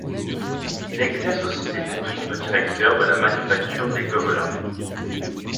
Il exerce aussi les fonctions de directeur de la manufacture des Gobelins.